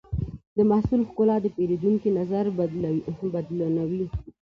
د محصول ښکلا د پیرودونکي نظر بدلونوي.